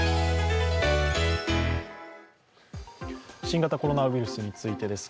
新型コロナウイルスについてです。